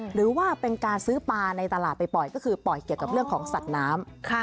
หรือว่าเป็นการซื้อปลาในตลาดไปปล่อยก็คือปล่อยเกี่ยวกับเรื่องของสัตว์น้ำ